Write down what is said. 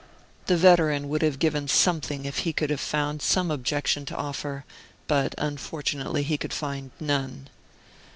The veteran would have given something if he could have found some objection to offer; but unfortunately he could find none.